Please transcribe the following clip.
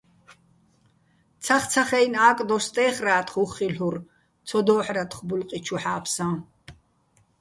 ცახცახა́ჲნო ა́კდოშ სტე́ხრა́თხ, უხ ხილ'ურ, ცო დო́ჰ̦რათხო ბულყი ჩუ ჰ̦ა́ფსაჼ.